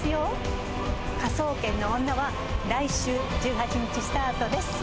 『科捜研の女』は来週１８日スタートです。